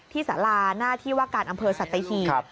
สาราหน้าที่ว่าการอำเภอสัตหีบ